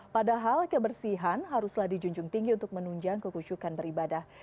padahal kebersihan haruslah dijunjung tinggi untuk menunjang kekucukan beribadah